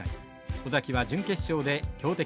尾崎は準決勝で強敵